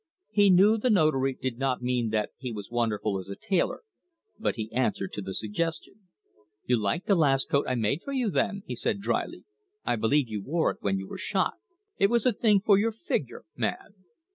He knew the Notary did not mean that he was wonderful as a tailor, but he answered to the suggestion. "You liked that last coat I made for you, then," he said drily; "I believe you wore it when you were shot. It was the thing for your figure, man."